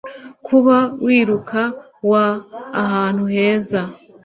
Kuba wiruka wa ahantu heza